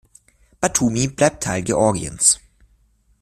Batumi blieb Teil Georgiens.